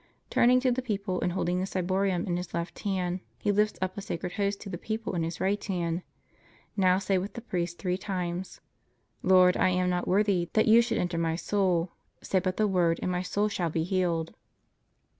Turning to the people and holding the ciborium in his left hand, he lifts up a Sacred Host to the people in his right hand. Now say with the priest three times: "Lord, I am not worthy that You should enter my soul; say but the word and my soul shall be healed."